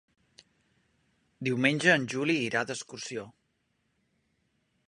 Diumenge en Juli irà d'excursió.